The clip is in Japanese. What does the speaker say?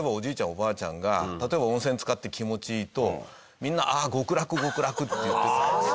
おばあちゃんが例えば温泉つかって気持ちいいとみんな「ああ極楽極楽」って言って。